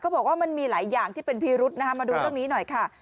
ก็บอกว่ามันมีหลายอย่างที่เป็นพิรุษมาดูตรงนี้หน่อยค่ะ